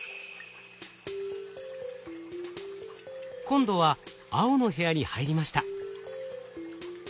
今度は青の部屋に入りました。